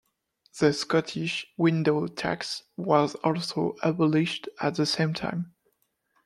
The Scottish window tax was also abolished at the same time.